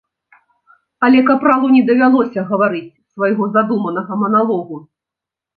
Але капралу не давялося гаварыць свайго задуманага маналогу.